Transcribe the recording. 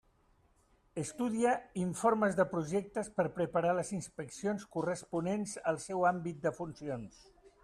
Estudia informes de projectes per preparar les inspeccions corresponents al seu àmbit de funcions.